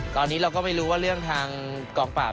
ตอนนี้เราก็ไม่รู้ว่าเรื่องทางกองปราบ